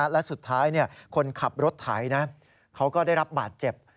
และสุดท้ายคนขับรถไถเขาก็ได้รับบาดเจ็บ